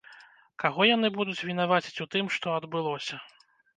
Каго яны будуць вінаваціць у тым, што адбылося?